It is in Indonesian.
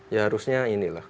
ya harusnya inilah